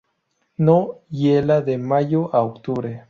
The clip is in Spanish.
No hiela de mayo a octubre.